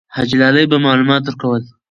حاجي لالی به معلومات ورکول.